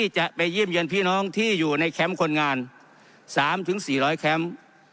จะไปยิ่มเยือนพี่น้องที่อยู่ในแคมป์คนงานสามถึงสี่ร้อยแคมป์